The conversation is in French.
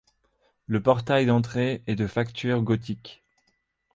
Le portail d'entrée est de facture gothique.